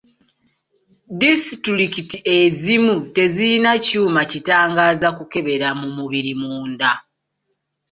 Disitulikiti ezimu tezirina kyuma kitangaaza kukebera mu mubiri munda.